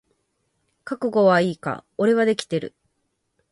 覚悟はいいか？俺はできてる。